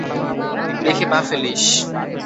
দেখে পা ফেলিস।